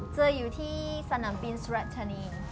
เจออยู่ที่สนามปีนสุราธารณี